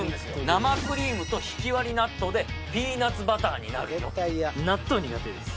生クリームとひきわり納豆でピーナッツバターになるよえっ？